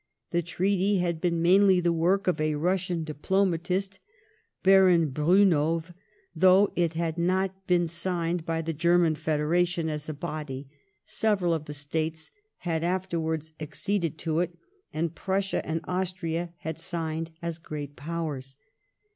The treaty had been mainiV the work of a Russian diplo matist, Baron Briinnow; though it had not been signed by the German Federation as a body, several of the States had afterwards acceded to it, and Prussia and Austria had signed as great Powers.